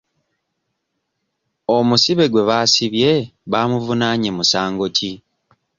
Omusibe gwe baasibye baamuvunaanye musango ki?